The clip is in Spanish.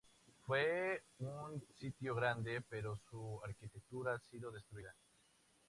Fue un sitio grande, pero su arquitectura ha sido destruida.